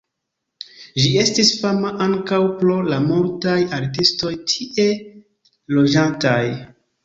Ĝi estis fama ankaŭ pro la multaj artistoj tie loĝantaj.